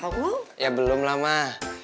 soalnya boy pengen ngasih lewatnya nih